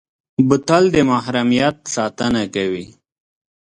بوتل د محرمیت ساتنه کوي.